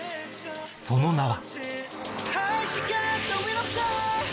その名は